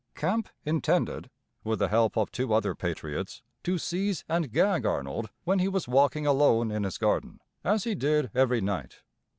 Campe intended, with the help of two other patriots, to seize and gag Arnold when he was walking alone in his garden, as he did every night.